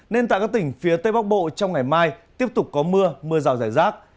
nên tại các tỉnh phía tây bắc bộ trong ngày mai tiếp tục có mưa mưa rào rải rác